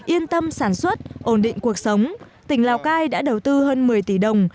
yên tâm sản xuất ổn định cuộc sống tỉnh lào cai đã đầu tư hơn một mươi tỷ đồng